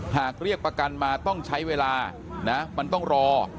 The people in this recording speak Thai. เรียกประกันมาต้องใช้เวลานะมันต้องรอ